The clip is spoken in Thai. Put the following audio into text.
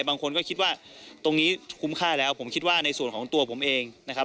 บางคนก็คิดว่าตรงนี้คุ้มค่าแล้วผมคิดว่าในส่วนของตัวผมเองนะครับ